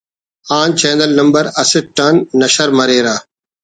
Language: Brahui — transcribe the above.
آن چینل نمبر اسٹ آن نشر مریرہ